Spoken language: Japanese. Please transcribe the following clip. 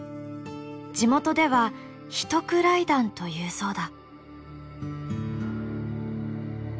地元ではヒトクライダンというそうだ。